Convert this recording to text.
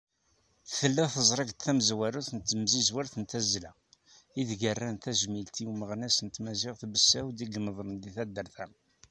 Tella teẓrigt tamezwarut n temsizwert n tazzla, ideg rran tajmilt i umeɣnas n tmaziɣt Besεud i imeḍlen deg taddart-a.